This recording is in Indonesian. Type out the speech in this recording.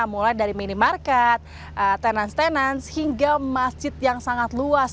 mulai dari minimarket tenan tenan hingga masjid yang sangat luas